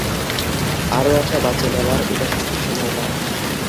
আরো একটা বাচ্চা নেওয়ার এটা সঠিক সময় না।